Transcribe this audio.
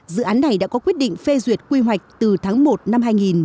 dự án này đã có quyết định phê duyệt quy hoạch từ tháng một năm hai nghìn